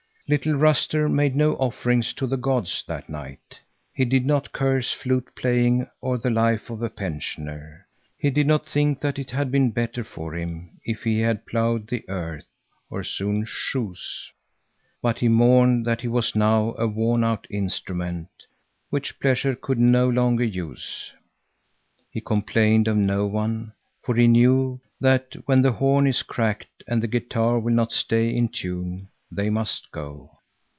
Little Ruster made no offerings to the gods that night. He did not curse flute playing or the life of a pensioner; he did not think that it had been better for him if he had ploughed the earth or sewn shoes. But he mourned that he was now a worn out instrument, which pleasure could no longer use. He complained of no one, for he knew that when the horn is cracked and the guitar will not stay in tune, they must go.